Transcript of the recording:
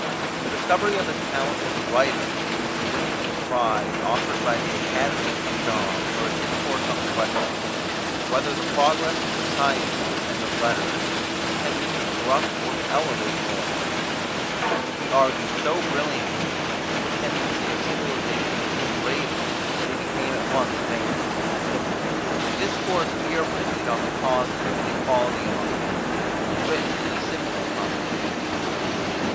The discovery of his talent as a writer came with the winning of a prize offered by the Academy of Dijon for a discourse on the question, "Whether the progress of the sciences and of letters has tended to corrupt or to elevate morals." He argued so brilliantly that the tendency of civilization was degrading that he became at once famous. The discourse here printed on the causes of inequality among men was written in a similar competition.